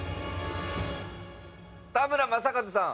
田村正和さん